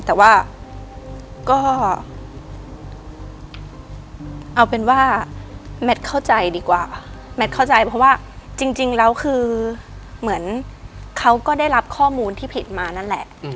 แต่ว่าก็เอาเป็นว่าแมทเข้าใจดีกว่าแมทเข้าใจเพราะว่าจริงแล้วคือเหมือนเขาก็ได้รับข้อมูลที่ผิดมานั่นแหละ